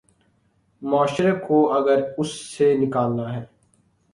معاشرے کو اگر اس سے نکالنا ہے۔